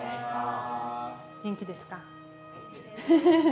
元気ですか？